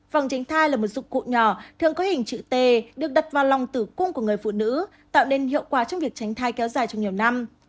vòng tránh thai là một dụng cụ nhỏ thường có hình chữ t được đặt vào lòng tử cung của người phụ nữ tạo nên hiệu quả trong việc tránh thai kéo dài trong nhiều năm